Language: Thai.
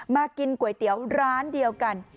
มากินก๋วยเตี๋ยวร้านเดียวกัน